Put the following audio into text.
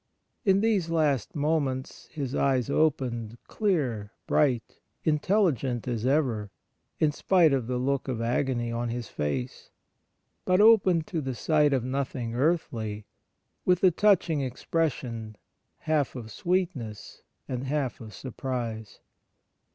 In these last moments his eyes opened, clear, bright, intelligent as ever, in spite of the look of agony on his face, but opened to the sight of nothing earthly, with a 1 6 Memoir of Father Faher touching expression, half of sweetness and half of surprise.'